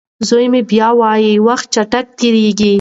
زوی مې بیا وايي وخت چټک تېریږي.